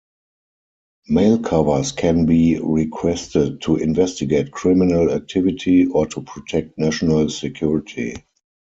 Mail covers can be requested to investigate criminal activity or to protect national security.